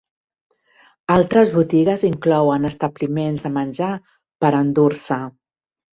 Altres botigues inclouen establiments de menjar per endur-se.